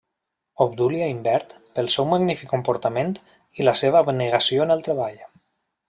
Obdúlia Imbert, pel seu magnífic comportament i la seva abnegació en el treball.